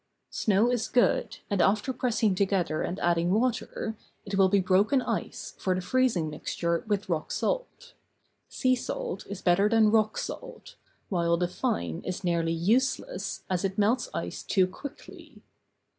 Snow is good, and after pressing together and adding water, it will be like broken ice, for the freezing mixture with rock salt. Sea salt is better than rock salt, while the fine is nearly useless, as it melts ice too quickly.